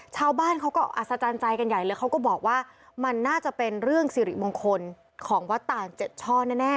ชาวบ้านเขาก็อัศจรรย์ใจกันใหญ่เลยเขาก็บอกว่ามันน่าจะเป็นเรื่องสิริมงคลของวัดต่าง๗ช่อแน่